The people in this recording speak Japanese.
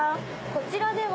こちらは。